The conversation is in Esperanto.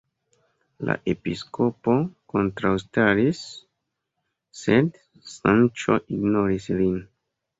La episkopo kontraŭstaris, sed Sanĉo ignoris lin.